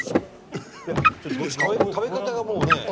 食べ方がもうね。